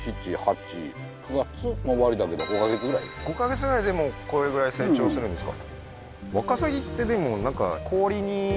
５カ月ぐらいでもうこれぐらい成長するんですか？